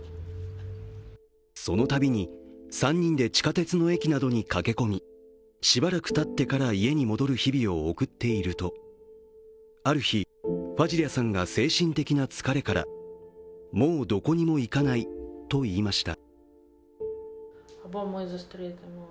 そのたびに３人で地下鉄の駅などに駆け込みしばらくたってから家に戻る日々を送っているとある日、ファジリャさんが精神的な疲れからもうどこにも行かないと言いました。